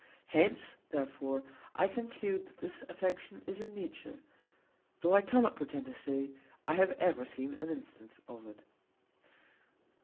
Hence, therefore, I conclude that this affection is in nature, though I cannot pretend to say I have ever seen an instance of it.